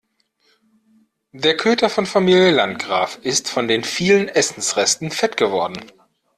Der Köter von Familie Landgraf ist von den vielen Essensresten fett geworden.